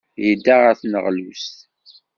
Yedda ɣer tneɣlust.